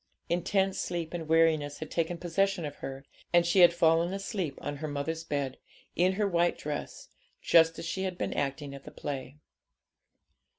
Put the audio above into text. Intense sleep and weariness had taken possession of her, and she had fallen asleep on her mother's bed, in her white dress, just as she had been acting at the play.